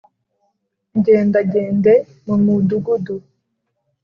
Ngendagende mu mudugudu